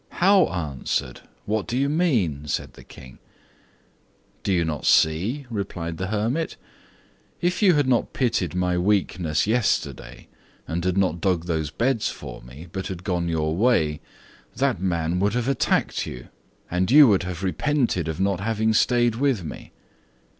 "How answered? What do you mean?" asked the King. "Do you not see," replied the hermit. "If you had not pitied my weakness yesterday, and had not dug those beds for me, but had gone your way, that man would have attacked you, and you would have repented of not having stayed with me.